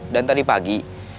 dan tadi pagi